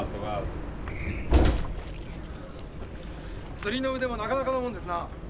釣りの腕もなかなかのものですな。